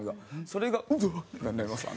それが「うわっ！」ってなります。